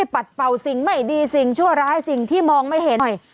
ปัดเป่าสิ่งไม่ดีสิ่งชั่วร้ายสิ่งที่มองไม่เห็น